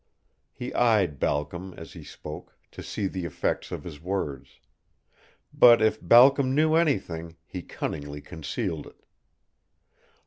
He eyed Balcom as he spoke, to see the effects of his words. But if Balcom knew anything, he cunningly concealed it.